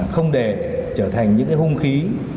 không để trở thành những hùng khí